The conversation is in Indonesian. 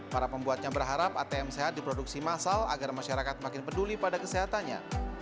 para pembuatnya berharap atm sehat diproduksi massal agar masyarakat makin peduli pada kesehatannya